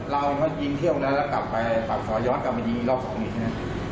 แล้วเราก็ยิงเที่ยวแล้วกลับไปสอย้อนกลับมายิงอีกรอบสองอีกครับ